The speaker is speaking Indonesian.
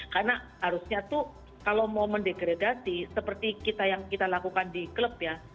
karena harusnya tuh kalau mau mendegradasi seperti kita yang kita lakukan di klub ya